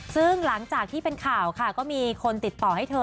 ซึ่งหลังจากที่เป็นข่าวค่ะก็มีคนติดต่อให้เธอ